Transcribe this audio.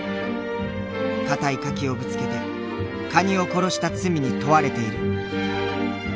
かたい柿をぶつけてカニを殺した罪に問われている。